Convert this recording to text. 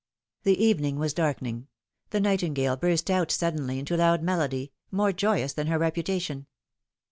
The evening was darkening. The nightingale burst out suddenly into loud melody, more joyous than her reputation.